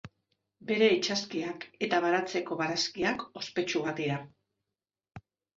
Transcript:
Bere itsaskiak eta baratzeko barazkiak ospetsuak dira.